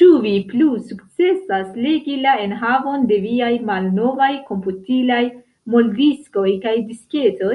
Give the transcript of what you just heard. Ĉu vi plu sukcesas legi la enhavon de viaj malnovaj komputilaj moldiskoj kaj disketoj?